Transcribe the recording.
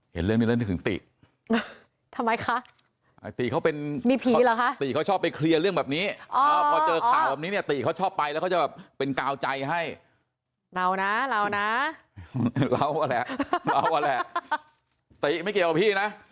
เห็นเรื่องนี้แล้วนึกถึงตี